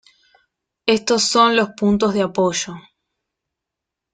Estos son los puntos de apoyo.